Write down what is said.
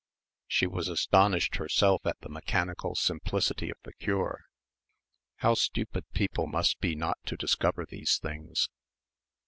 She was astonished herself at the mechanical simplicity of the cure. How stupid people must be not to discover these things.